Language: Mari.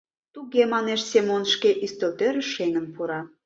— Туге, — манеш Семон, шке ӱстелтӧрыш шеҥын пура.